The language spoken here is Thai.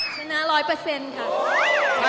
ชนะร้อยเปอร์เซ็นต์ครับ